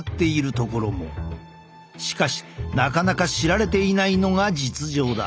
しかしなかなか知られていないのが実情だ。